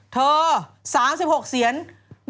เธอ๓๖เสียง